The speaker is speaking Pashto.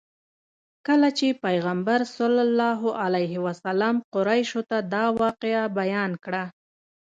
کله چې پیغمبر صلی الله علیه وسلم قریشو ته دا واقعه بیان کړه.